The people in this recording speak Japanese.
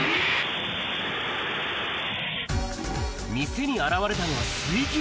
店に現れたのは水牛。